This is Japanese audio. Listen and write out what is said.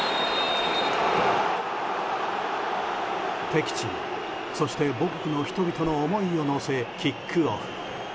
敵地の、そして母国の人々の思いを乗せ、キックオフ。